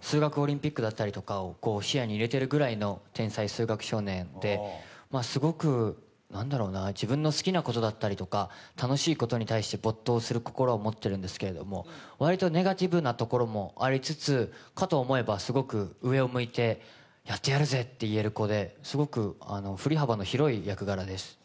数学オリンピックだったりとかを視野に入れているぐらいの天才数学少年で、すごく自分の好きなことだったりとか楽しいことに没頭する心を持ってるんですけど割とネガティブなところもありつつ、かと思えばすごく上を向いてやってやるぜって言える子で、振り幅の広い役柄です。